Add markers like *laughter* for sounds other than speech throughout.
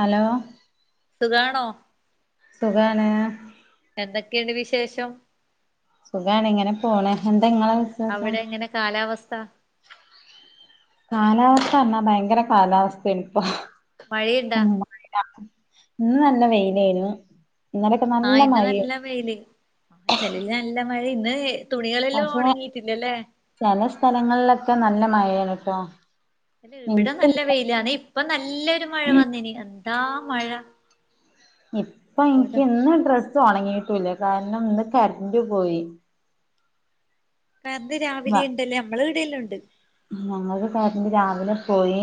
Hello, സുഖാണോ? സുഖാണ്. എന്തൊക്കെയാണ് വിശേഷം? സുഖാണ് ഇങ്ങനെ പോണ്. എന്താ ഇങ്ങളെ വിശേഷം അവിടെ എങ്ങനെ കാലാവസ്ഥ? കാലാവസ്ഥർഞ്ഞാ ഭയങ്കര കാലാവസ്തേണ് ഇപ്പൊ. മഴയുണ്ടാ ഉം, ആഹ്. ഇന്ന് നല്ല വെയിലായിരുന്നു. ഇന്നലെ ആ ഇന്ന് നല്ല വെയില് ഇന്തലയില് നല്ല മഴിന്ന് തുണികളെല്ലാം ഒണങ്ങീട്ട്ണ്ട്ല്ലേ? പല സ്ഥലങ്ങളിലൊക്കെ നല്ല മഴയാണ് ട്ടോ. അല്ല ഇവിടെ എനിക്ക് നല്ല വെയിലാണേ ഇപ്പൊ നല്ലൊരു മഴ വന്നേന് എന്താ മഴ ഇപ്പൊ എനിക്ക് ഇന്ന് ഡ്രസ്സ് ഒണങ്ങീട്ടില്ല കാരണം ഇന്ന് കരന്റ് പോയി. കരന്റ് രാവിലെ ഇണ്ടല്ലോ നമ്മളെവിടെയെല്ലാം ഉ ഉം ഞങ്ങക്ക് കരന്റ് രാവിലെ പോയി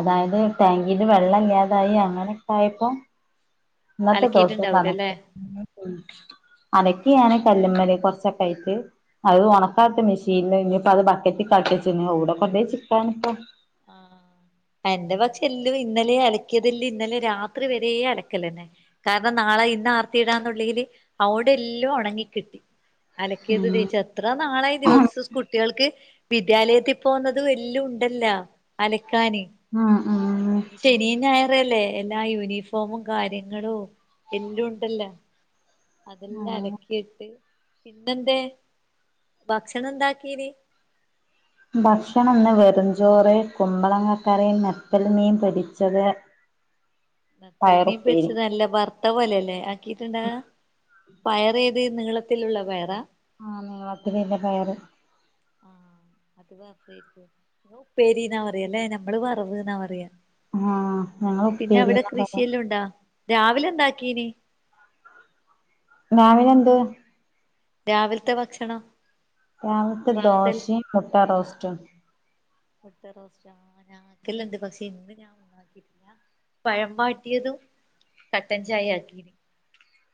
അതായത് ടാങ്കീല് വെ വെള്ളല്ലാതായി അങ്ങനൊക്കെ ആയപ്പോ ഇന്നത്തെ ദിവസം അലക്കിയിട്ടുണ്ടാവൂലല്ലേ കണക്ക്. ഉം ഉം അലക്കി ഞാന് കല്ല്മ്മല് കൊറച്ചൊക്കായിട്ട്. അ ഒണക്കാട്ടു മിഷീനില് ഇനിപ്പോത് ബക്കറ്റി കലക്കേച്ചീന് എവടെ കൊണ്ടോയി ചിക്കാനാപ്പൊ ആഹ് എന്റെ പക്ഷെ എല്ലും ഇന്നലെ അലക്കിയതല്ലേ ഇന്നലെ രാത്രി വരെ അലക്കലന്നെ. കാരണം നാളെ ഇന്ന് ആർത്തിടാന്നുള്ളേല് അവടെല്ലോം ഒണങ്ങി കിട്ടി. അലക്കിയത് ഉം തേച്ച് എത്ര നാളായി ദിവസം കുട്ടികൾക്ക് വിദ്യാലയത്തി പോകുന്നത് എല്ലോംണ്ടല്ലോ? അലക്കാന് ആ ആ ആഹ്. ശനീം ഞായറോല്ലേ എല്ലാ യൂണിഫോമും കാര്യങ്ങളും എല്ലോംണ്ടല്ലോ. അതെല്ലാം അലക്കിയിട്ട് ഇന്നെന്തേ ഭക്ഷണം എന്താക്കീ ഭക്ഷണംന്ന് വെറുംചോറ്, കുമ്പളങ്ങകറി, നെത്തള് മീൻ പൊരിച്ചത് നത്തൾ മീൻ പയറുപ്പേരി പൊരിച്ചത് നല്ല വർത്തപോലല്ലേ ആക്കീട്ട്ണ്ടാവാ? പയ റ് നീളത്തിലുള്ള പയറ്. ആ നീളത്തില്ല്ല പയറ്. ഇന്ന് അതേര്ന്നു. ഉപ്പേരീന്ന പറയാല്ലേ? ഞമ്മള് വറവ്ന്നാ പറയാ. ആഹ് ഞങ്ങള് പിന്നെ അവിടെ ഉപ്പേരിന്നാ പറയാ കൃഷിയെല്ലോംണ്ടോ രാവിലെ എന്താക്കീന്? രാവിലെന്ത്? രാവിൽത്തെ ഭക്ഷണം. രാവിൽത്തെ പ്രാതൽ ദോശീ മുട്ടറോസ്റ്റും. മുട്ട റോസ്റ്റ ഞക്കെല്ലാംണ്ട് പക്ഷെ ഇന്ന് ഞാൻ ഒന്നാക്കി പഴം വാട്ടിയതും കട്ടൻ ചായ ആക്കീന്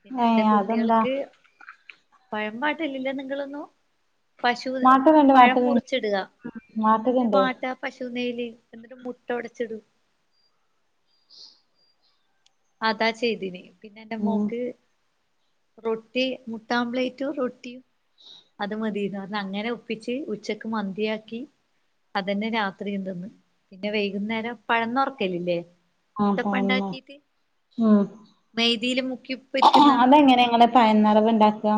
പിന്നെ എന്റെ ഏഹ് അതെന്താ കുട്ടികൾക്ക് പഴ വാട്ടലില്ലേ നിങ്ങളൊന്നു പശു വാട്ടലുണ്ട് പഴം വാട്ടലുണ്ട് മുറിച്ചിടുക എന്നിട്ട് വാട്ടലുണ്ടേ മുട്ട പശു നെയല് എന്നിട്ട് മുട്ട ഒടച്ചിടും അതാ ചെയ്തീനെ പിന്നെ എന്റെ ഉം മോക്ക് റൊട്ടി മുട്ടാമ്പ്ലേറ്റും റൊട്ടിയും അത് മതിയ എന്ന് പറഞ്ഞു അങ്ങനെ ഒപ്പിച്ച് ഉച്ചക്ക് മന്തിയാക്കി അതന്നെ രാത്രിയും തിന്ന് പിന്നെ വൈകുന്നേരം പഴം നറക്കല്ലല്ലേ ആഹ് മുട്ടപ്പ തന്നെ ഉണ്ടാക്കിട്ട് ഉം മെയദിയില് മുക്കി പൊരിക്കുന്ന എങ്ങനെങ്ങനെ പയ നിറവ് ഉണ്ടാക്കാ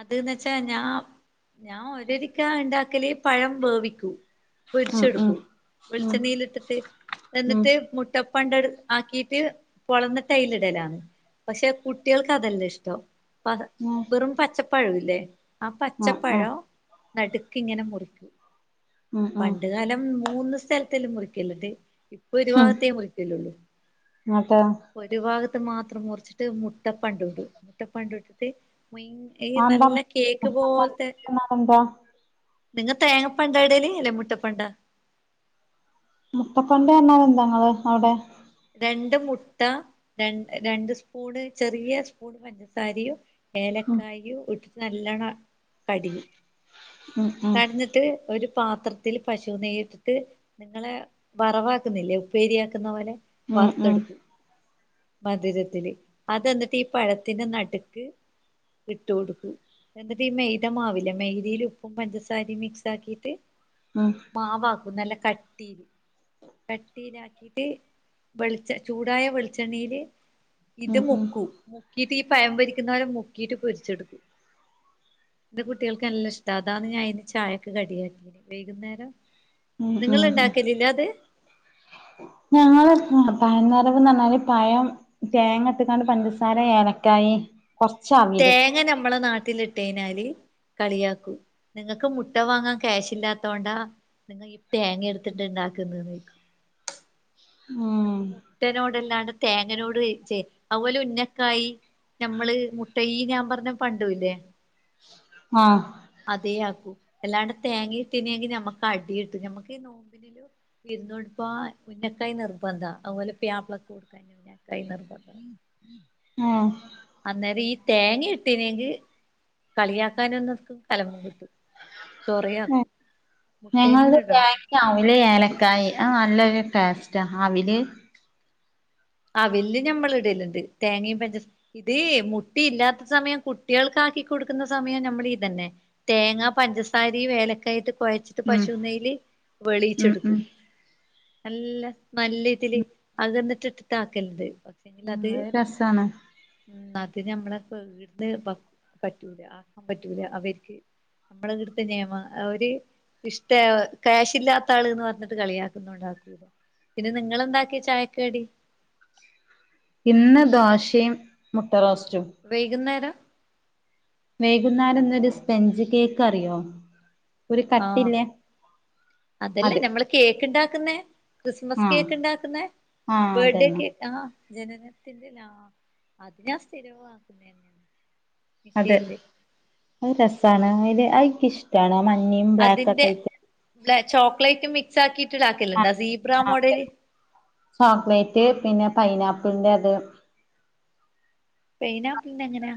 അത് എന്ന് വെച്ച ഞാ ഞാൻ ഒരിക്ക ആ ഉണ്ടാക്കല് പഴം വേവിക്കൂ ഉം ഉം പൊരിച്ചെടുക്കൂ ഉം വെളിച്ചെണ്ണീല് ഇട്ടിട്ട് ഉം എന്നിട്ട് മുട്ടപ്പം ണ്ട് ആക്കിട്ട് പോളഞ്ഞിട്ട് അയില്ടലാണ് പക്ഷെ കുട്ടിയൾക്ക് അതെല്ലാ ഇഷ്ടം പത ഉം വെറും പച്ചപ്പഴംല്ലേ ആ ആഹ് ആഹ് പച്ചപ്പഴം നടുക്ക് ഇങ്ങനെ മുറിക്കു ഉം ഉം പണ്ട് കാലം മൂന്ന് സ്ഥല തല്ലേ മുറിക്കല്ലത്ത്. ഇപ്പൊ ഒരു ഹും ഭാഗത്തേ മുറിക്കലൊള്ളൂ. ഇന്നട്ട് ഒരു ഭാഗത്ത് മാത്രം മുറിച്ചിട്ട് മുട്ടപ്പണ്ട ഇടും മുട്ടപ്പണ്ട ഇട്ടിട്ട് ഈ അതെന്താ നല്ല കേക്ക് പോല്ത്തെ മുത്തപ്പൻന്നാലെന്താ നിങ്ങെ തേങ്ങപ്പണ്ടാ ഇടല് അതോ മുട്ടപ്പണ്ട മുട്ടപ്പണ്ട് പറഞ്ഞാൽ എന്ത നിങ്ങള അവിടെ രണ്ട് മുട്ട ര രണ്ട് സ്പൂണ് ചെറിയ സ്പൂണ് പഞ്ചസാരിയും ഉം ഏലക്കായും ഇട്ടിട്ട് നല്ലവണ്ണം കടിയും ഉം ഉം കടഞ്ഞ എന്നിട്ട് ഒരു പാത്രത്തിൽ പശു നെയ്യട്ടിട്ട് നിങ്ങളെ വറവാക്കുന്നില്ലേ ഉപ്പേരിയാക്കുന്ന പോലെ ഉം ഉം വറുത്തെടുക്കൂ മധുരത്തില് അത് എന്നിട്ട് ഈ പഴത്തിന്റെ നടുക്ക് ഇട്ട് കൊടുക്കും എന്നിട്ട് ഈ മെയ്തമാവില്ല മെയ്തിയിൽ ഉപ്പും പഞ്ചസാരയും മിക്സ് ആക്കിയിട്ട് ഉം മാവാക്കും നല്ല കട്ടീയില് ചട്ടീയിലാക്കിട്ട് വെളിച്ച ചൂടായ വെളിച്ചെ വെളിച്ചെണ്ണില് ഇത് ഉം ഉം മുക്കും മുക്കിട്ട് ഈ പയം പൊരിക്കുന്ന പോലെ മുക്കീട്ട് പൊരിച്ചെടുക്കും എന്റെ കുട്ടികൾക്ക് എല്ലാം ഇഷ്ട അതാണ് ഞാൻ ഇന്ന് ചായക്ക് കടിയാക്കീത് വൈകുന്നേരം ഉം നിങ്ങള് ആഹ് ആഹ ഇണ്ടാക്കലില്ലേ *inaudible* ഞങ്ങള് പയം നിറവ്ന്ന് പറഞ്ഞാല് പയം തേങ്ങ ഇട്ട്ക്കാണ്ട് പഞ്ചസാര ഏലക്കായി കൊറച് ആ തേങ്ങ ഞമ്മളെ നാട്ടില് ഇട്ട് കഴിഞ്ഞാല് കളിയാക്കും നിങ്ങക്ക് മുട്ട വാങ്ങാൻ ക്യാഷ് ഇല്ലാത്തോണ്ടാ നിങ്ങൾ ഈ തേങ്ങ എടുത്തിട്ട് ഇണ്ടാക്കുന്ന് ന്ന് ചോദിക്കും ഉം ഞങ്ങക്ക് മുട്ടനോട് അല്ലാണ്ട് തേങ്ങനോട് ചേ അതുപോലെ ഉന്നക്കായി നമ്മള് മുട്ട ഈ ഞാൻ പറഞ്ഞ പണ്ടുംല്ലേ ആഹ അതെ ആക്കൂ എല്ലാണ്ട് തേങ്ങിയിട്ടനെങ്കി നമ്മുക്ക് അടി കിട്ടും ഞമ്മക്ക് ഈ നോമ്പിന് വര്ന്നോണ്ട് ഇപ്പ ഉന്നക്കായ് നിർബന്ധാ അതുപോലെ പുയ്യാപ്പ്ളക്ക്‌ കൊടുക്കാൻ ഉന്നക്കായി നിർബന്ധം ആണ് ആഹ അന്നേരം ഈ തേങ്ങ ഇട്ടനെങ്കിൽ കളിയാക്കാനും നിക്കും കലമം കിട്ടു സൊറയാന്ന് *unintelligible* ഏലക്കായി അത്‌ നല്ലൊരു ടേസ്റ്റ അവില് അവിലില് ഞമ്മള് ഇടല്ണ്ട് തേങ്ങയും പഞ്ചസാ ഇത് മുട്ടി ഇല്ലാത്ത സമയം കുട്ടികൾക്ക ആാക്കി കൊടുക്കുന്ന സമയം ഞാമ്മളി ഇതന്നെ. തേങ്ങ പഞ്ചസാരീം ഏലക്കായിട്ട് കൊഴച്ചിട്ട്. ട്ട് ഉം പശു നെയില് ഉം ഉം വെളിയിച്ചെടുക്കും. നല്ല നല്ല ഇതിൽ അകന്നിട്ടിട്ട് ആക്കല്ണ്ട് പക്ഷെങ്കിൽ ഉം അത്. രസാണ് ഉം അത്‌ ഞമ്മളെ ഈട്ന്ന് പറ്റൂല ആക്കാൻ പറ്റൂല അവർക്ക് നമ്മളെ ഈടുത്തെ നിയമാ അവുര്. ഇഷ്ട ക്യാഷ് ഇല്ലാത്ത ആൾ എന്ന് പറഞ്ഞിട്ട് കളിയാക്കുന്നണ്ടാക്കൂല. പിന്നെ നിങ്ങളെന്താക്കി ചായക്ക്‌ കടി. ഇന്ന് ദോശയും മുട്ട റോസ്റ്റും വൈകുന്നേരം. വൈകുന്നേരം ഇന്നൊരു സ്പെഞ്ച് കേക്ക് അറിയോ? ഒരു ആഹ് കട്ടില്ലേ അതല്ലേ അത്. നമ്മള് കേക്ക് ഇണ്ടാക്കുന്ന ക്രിസ്മസ് ആഹ് കേക്ക് ഇണ്ടാക്കുന്ന ആഹ് ബർഡേ അതന്നെ കേക്ക് ആഹ *unintelligible* അത്‌ ഞാൻ സ്ഥിരം വാങ്ങുന്നേ അല്ലേ അതെ അത് രസാണ് അത് ഇന്ക്ക് ഇഷ്ടാണ് ആ മഞ്ഞീം അതിന്റെ ബ്ലാക്കൊക്കെ ആയിട്ട്. ചോക്ലേറ്റ് മിക്സ് ആക്കിട്ട് ഇതാക്കല്ണ്ടാ ആഹ് സീബ്രാ ആഹ് മോഡല്. ചോക്ലേറ്റ് പിന്നെ പൈനാപ്പിളിന്റത്. പൈനാപ്പിളിന്റെ എങ്ങനാ?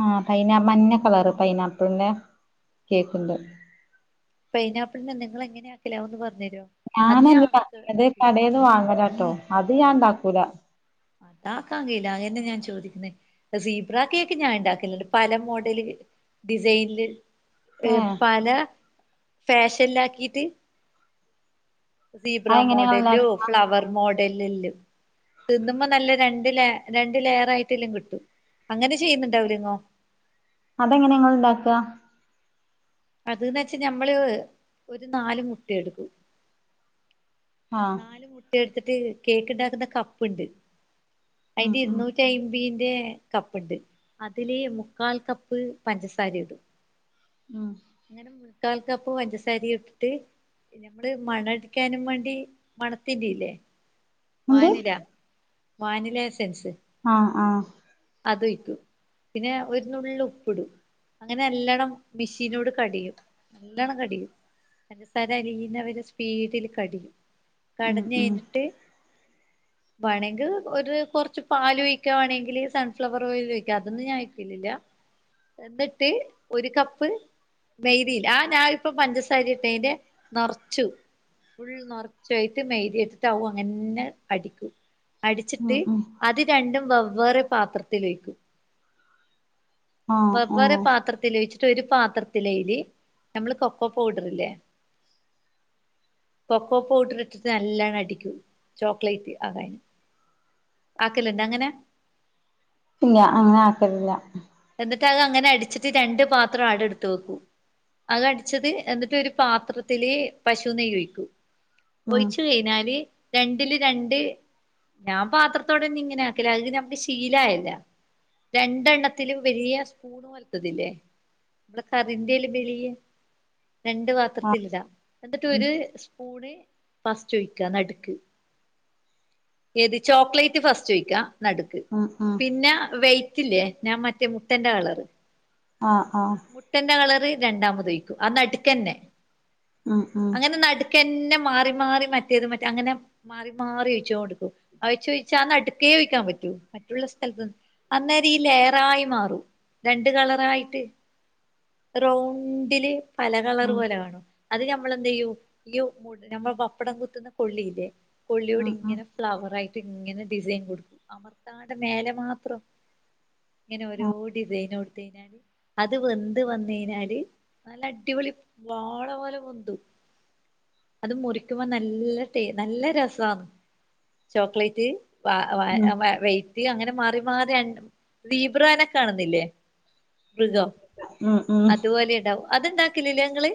ആ പൈന മഞ്ഞ കളറ് പൈനാപ്പിളിന്റെ കേക്ക് ഉണ്ട്. പൈനാപ്പിളിന്റെ നിങ്ങൾ എങ്ങനെ ആക്കല്. അതൊന്ന് പറഞ്ഞ് തെരോ ഞാനല്ല ഇണ്ടാക്ക്‌ണത് അത് കടേന്ന് വാങ്ങലാട്ടോ അത് ഞാൻ ഇണ്ടാക്കൂല. താക്കാൻ കഴില്ല അതന്നെ ഞാൻ ചോദിക്ക് ന്നെ സീബ്ര കേക്ക് ഞാൻ ഇണ്ടാക്കല്ലിണ്ട് പല മോഡല് ഡിസൈനില്. ഏഹ് പല ഫാഷനിലാക്കിട്ട്. സീബ്രാ അതെങ്ങനെ നിങ്ങൾ മോഡല് ഇണ്ടാക്ക ഫ്ലവർ മോഡലല്ല തിന്നുമ്പോ നല്ല രണ്ട് ല രണ്ട് ലെയർ ആയിട്ടല്ലും കിട്ടും. അങ്ങനെ ചെയ്യുന്നുണ്ട അവര് ഇങ്ങ് - അതെങ്ങനെ ഇങ്ങൾ ഇണ്ടാക്ക? അതന്ന് വെച്ചാ ഞമ്മള് ഒരു നാല് മുട്ട എടുക്കും. ആഹ് നാല് മുട്ട എടുത്തിട്ട് കേക്ക് ബണ്ടാക്കുന്ന കപ്പുണ്ട് ഉം അതിന്റെ ഉം ഇരുന്നൂറ്റി അമ്പിന്റെ കപ്പുണ്ട് അതില് മുക്കാൽ കപ്പ് പഞ്ചസാരയും ആഹ് ക്കാല്ക്കപ്പ് പഞ്ചസാരി ഇട്ടിട്ട്. നമ്മള് മണ അടിക്കാനും വേണ്ടി മണത്തിന്റെ ഇല്ലേ? എന്ത് വാനില വാനില എസൻസ്. ആഹ് ആഹ് അത് ഒഴിക്കു പിന്നെ ഒരു നുള്ള് ഉപ്പിടും- അങ്ങനെ നല്ലോണ്ണം മെഷീനോട് കടയും നല്ലോണ്ണം കടയും. പഞ്ചാര അലീന വരെ സ്പീഡില് കടയും ഉം കടഞ്ഞു ഉം കഴിഞ്ഞിട്ട്. വാണെങ്കിൽ ഒരു കുറച്ച് പാല് ഒഴിക്കുകവാണെങ്കിൽ ഫ്ലവർ ഓയിൽ ഒഴിക്ക അതൊന്ന് ഞാൻ ഒയിക്കില്ല എന്നിട്ട് ഒരു കപ്പ് മെയ്ദതിയിൽ ആഹ് ഞാനിപ്പ പഞ്ചസാര ഇട്ടേന്റെ നിറച്ചും ഫുൾ നറച്ചും മൈദേയിട്ടിട്ട്‌ അതും അങ്ങനെ നെ അടിക്കും. അടിച്ചിട്ട് ഉം ഉം അത് രണ്ടും വെവ്വേറെ പാത്രത്തിൽ വയ്ക്കും. ആഹ് വെവേറെ ആഹ് പാത്രത്തിൽ വെച്ചിട്ട് ഒരു പാത്രത്തില് നമ്മള് കൊക്കോ പൗഡർ ഇല്ലേ? കൊക്കോ പൗഡർ ഇട്ടിട്ട് നലോണം അടിക്കു ചോക്ലേറ്റ് അതായിന്. ആക്കലുണ്ടങ്ങനെ? ഇല്ല അങ്ങനെ ആക്കലില്ല- എന്നിട്ട് അത് അങ്ങനെ അടിച്ചിട്ട് രണ്ട് പാത്രം ആണ്ട് ഇടുത്ത് വെക്കും- അത്ടിച്ചത് എന്നിട്ട് ഒരു പാത്രത്തില് പശു നെയ്യഴിക്കും- ഉം ഒഴിച്ച് കഴിഞ്ഞാല്- രണ്ടില് രണ്ട് ഞാൻ പാത്രത്തോടെന്ന ഇങ്ങനെ ആക്കലാ ആഹ് നമ്മുക്ക് ശീലയല്ലോ? രണ്ടെണ്ണം ഇത്തിലും വെലിയ സ്പൂ ണോലത്തതില്ലേ നമ്മള് കറിന്റെൽ വെലിയ രണ്ട് ആഹ് പാത്രത്തിട എന്നിട്ട് ഉം ഒരു സ്പൂണ് ഫസ്റ്റ്‌ട്ടൊഴിക്കുക നടുക്ക് ഏത് ചോക്ലേറ്റ് ഫസ്റ്റ് ഒയ്ക്കാ നടുക്ക് ഉം ഉം പിന്നെ വൈറ്റ് ഇത്തില്ലേ ഞാൻ മറ്റേ മുട്ടന്റെ കളറ്- ആഹ് ആഹ് മുട്ടന്റെ കളറ് രണ്ടാമതൊഴിക്കും ആഹ് നടുക്കന്നെ ഉം ഉം അങ്ങനെ നടു ക്കന്നെ മാറി മാറി മറ്റേത് മറ്റ അങ്ങനെ മാറി മാറി ഒഴിച്ചോണ്ട്ക്കും ആഹ് ചോദിച്ചാ അന്ന് നട്ക്കേ വെക്കാ പറ്റൂ മറ്റുള്ള സ്ഥലത്ത്ന്ന് അന്നേരം ഈ ലയറായി മാറും രണ്ട് കളറായിട്ട് റൗണ്ടില് പല കളറ് ഉം പോലെ കാണും- അത് നമ്മളെന്തയ്യും ഈയു നമ്മ പപ്പടം കുത്തുന്ന കൊള്ളി ഇല്ലേ കൊള്ളിയോട് ഉം ഉം ഇങ്ങനെ ഫ്ലവർ ആയിട്ട് ഇങ്ങനെ ഡിസൈൻ കൊടുക്കും അമർത്താണ്ടെ മേലെ മാത്രം- ഇങ്ങനെഓരോ ആഹ് ഡിസൈൻ കൊടുത്തയ് ഞ്ഞാല്- അത് വെന്ത് വന്ന്‌ കഴിഞ്ഞാല് നല്ല അടിപൊളി വാള പോലെ പൊന്തും. അത് മുറിക്കുമ്പോ നല്ലടേ നല്ല രസാ ചോക്ലേറ്റ് വ ഉം വവറി അങ്ങനെ മാറി മാറിഅൻ ദീബ്രാനൊക്കെ കാണുന്നില്ലേ- മൃഗോ ഉം ഉം അതുപോലെ ഉണ്ടാവും അത്ണ്ടാക്കലില്ലേ ഇങ്ങള്?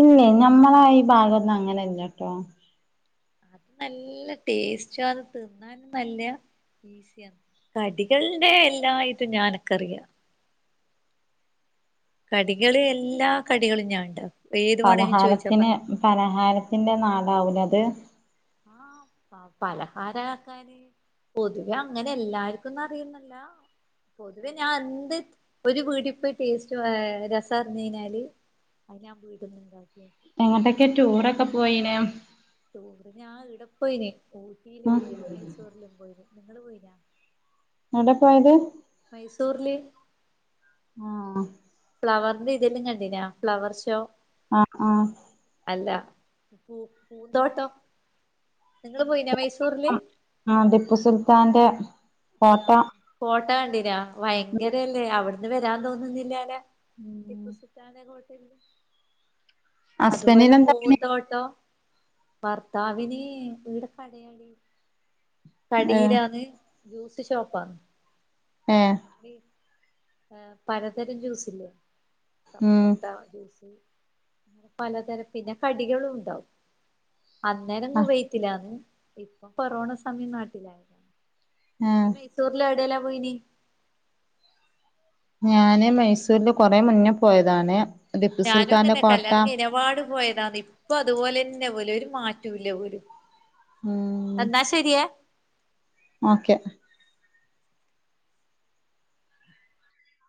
ഇല്ലേ ഞമ്മളെ ഈ ഭാഗന്നും അങ്ങനെയല്ലട്ടോ- അത് നല്ല ടേസ്റ്റുവാണ് അത് തിന്നാൻ ഇപ്പൊല്ല കടികളിതെ എല്ലാഐറ്റും ഞാൻക്കറിയ കടികള് എല്ലാ കടികളും ഞാൻ ഉണ്ടാക്കും ഏത് വേണമെങ്കിലും ചോദിച്ചാ പലഹാരത്തിന് പറഞ്ഞ് പലഹാരത്തിന്റെ നാടാവും ലേ അത് ആഹ് ആഹ് പലഹാര ആക്കാന് പൊതുവെ അങ്ങനെ എല്ലാർക്കുന്നും അറിയൊ ന്നുല്ല പൊതുവെ ഞാൻ എന്ത് ഒരു വീടിയൊ പ്പൊ ടേസ്റ്റ് രസം അറിഞ്ഞു കഴിഞ്ഞാല് അത് ഞാൻ വീട്ട് ന്ന്ണ്ടാക്കും എങ്ങോട്ടെക്കെ ടൂറൊക്കെ പോയീനോ ടൂറി ഞാ ഇവിടെ പോയിനി ഊട്ടിയിലും ഉം പോയിന് മൈസൂറിലും പോയിന് നിങ്ങള് പോയിനോ എടെ പോയത് മൈസൂറ്ല് ആഹ് ഫ്ലവറിന്റെ ഇതെല്ലാം കണ്ടീനോ ഫ്ലവർ ഷോ അഹ് ആഹാ അല്ല പൂ പൂന്തോട്ടം നിങ്ങള് പോയിനോ മൈസൂര്ല് ആഹ് ടിപ്പു സുൽത്താന്റെ യാ കോട്ട കോട്ട കണ്ടീന്യോ ഭയങ്കരല്ലേ അവിട് ന്ന് വരാൻ തോന്നുന്നില്ലാ ല്ലോ ഉം ടിപ്പു സുൽത്താന്റെ കോട്ടെ അതുപോലെ ഹസ്ബൻഡിനെന്താ പണി പൂന്തോട്ടം ഭർത്താവിന് ഇവിടെ പണിയാടീ ഏഹ് കടിയിലാന്ന് ജ്യൂസ് ഷോപ്പാ ഏഹ് ഏഹ് പലതരം ജ്യൂസ് ഇല്ലേ ഉം സപ്പോട്ട ജ്യൂസ് അങ്ങനെ പലതരം പിന്നെ കടികളുണ്ടാവും അന്നേരം ആഹ് കുവൈറ്റിലാന്ന് ഇപ്പൊ കൊറോണ സമയം നാട്ടിലായിരുന്നു നീ ഏഹ് മൈസൂരില് എവിടെല്ലാ പോയിനി ഞാന് മൈസൂരില് കൊറെ മുന്നേ പോയതാണ് ടിപ്പു ഞാനും സുൽത്താന്റെ അങ്ങൻനെ കോട്ട കല്യാണം കയ്ഞ്ഞേപാട് പോയതാന്ന് ഇപ്പൊ അതുപോലെന്നെ പോലെ ഒരു മാറ്റൂല്ല ഊര് ഉംമ് എന്നാ ശരിയ ഓക്കെ